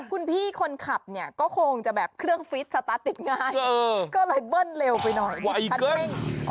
คุณพี่คนขับเนี่ยก็คงจะแบบเครื่องฟิตสตาร์ทติดง่ายก็เลยเบิ้ลเร็วไปหน่อยว่าคันเร่ง